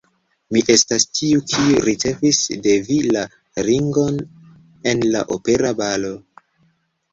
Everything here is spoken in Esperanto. Mi estas tiu, kiu ricevis de vi la ringon en la opera balo.